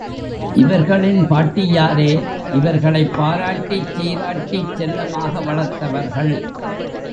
இவர்களின் பாட்டியாரே இவர்களைப் பாராட்டிச் சீராட்டிச் செல்லமாக வளர்த்தவர்கள்.